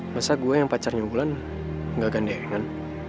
masa gua yang pacar nyugulan gak gandengan